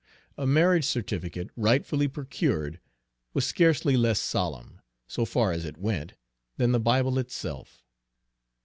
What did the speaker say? A marriage certificate, rightfully procured, was scarcely less solemn, so far as it went, than the Bible itself.